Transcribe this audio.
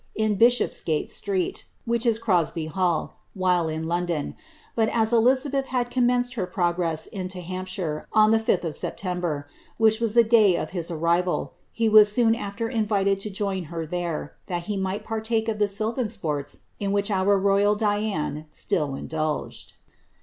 in Bishopsgate street, (Crosby Hall,) while in London ; but, as Elizabeth had commenced her progress into Hampshire on the 5th of September, which was the day of his arrival, he was soon after invited to join her there, that he might partake of the sylvan sports in which oar royal Dian still indulged.